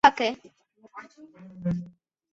他是一个坚定的右派和欧洲怀疑论者。